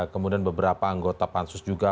kemudian beberapa anggota pansus juga